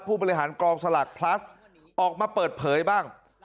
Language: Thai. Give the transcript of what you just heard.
ผู้บริหารกองสลากพลัสออกมาเปิดเผยบ้าง